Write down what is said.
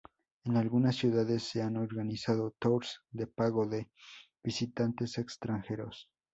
En algunas ciudades se han organizado "tours" de pago de visitantes extranjeros.